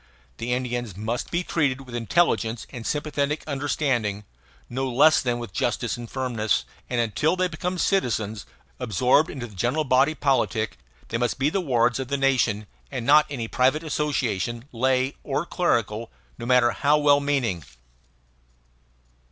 The Indians must be treated with intelligent and sympathetic understanding, no less than with justice and firmness; and until they become citizens, absorbed into the general body politic, they must be the wards of the nation, and not of any private association, lay or clerical, no matter how well meaning.